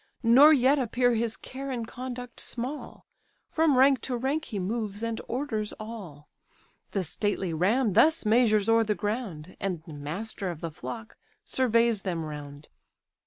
Nor yet appear his care and conduct small; From rank to rank he moves, and orders all. The stately ram thus measures o'er the ground, And, master of the flock, surveys them round."